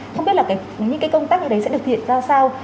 không biết là những cái công tác như đấy sẽ được thiện ra sao